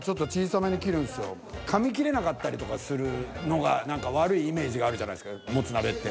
かみ切れなかったりとかするのが何か悪いイメージがあるじゃないですかモツ鍋って。